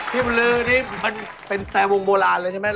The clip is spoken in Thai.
ลือนี่มันเป็นแต่วงโบราณเลยใช่ไหม